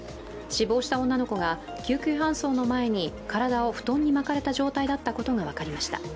死亡した女の子が救急搬送の前に体を布団に巻かれた状態だったことが分かりました。